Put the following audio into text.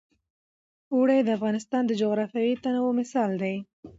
اوړي د افغانستان د جغرافیوي تنوع مثال دی.